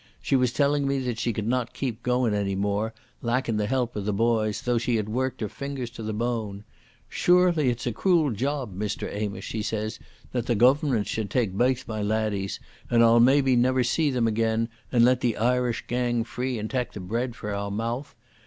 She was telling me that she could not keep goin' any more, lacking the help of the boys, though she had worked her fingers to the bone. 'Surely it's a crool job, Mr Amos,' she says, 'that the Goavernment should tak baith my laddies, and I'll maybe never see them again, and let the Irish gang free and tak the bread frae our mouth.